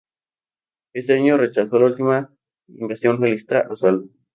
Ese año rechazó la última invasión realista a Salta.